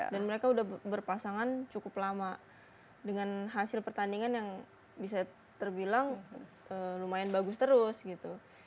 dan mereka udah berpasangan cukup lama dengan hasil pertandingan yang bisa terbilang lumayan bagus terus gitu